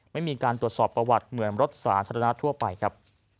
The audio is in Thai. ไม่มีการตรวจสอบประวัติเหมือนรถสาธารณะทั่วไปครับ